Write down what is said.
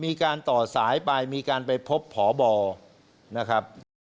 มีการต่อสายไปมีการไปพบพบนะครับ